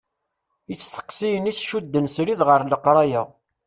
Isteqsiyen-is cudden srid ɣer leqraya.